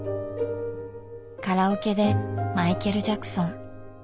カラオケでマイケル・ジャクソン。